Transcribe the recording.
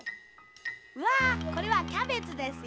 わこれはキャベツですよ。